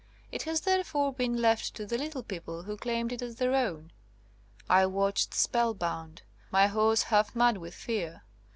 It has therefore been left to the * little people' who claimed it as their own. 156 SOME SUBSEQUENT CASES *'I watched spellbound, my horse half mad with fear.